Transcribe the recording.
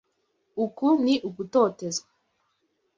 Uku ni ugutotezwa.